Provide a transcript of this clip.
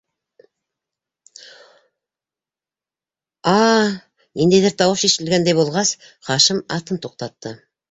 «А-а-а!» - ниндәйҙер тауыш ишетелгәндәй булғас, Хашим атын туҡтатты.